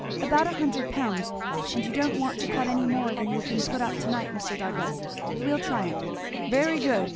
"About a hundred pounds and you don't want to cut any more than you can put up to night, Mr. Douglass. We'll try it." "Very good!